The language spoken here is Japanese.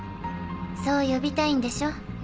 そう呼びたいんでしょ？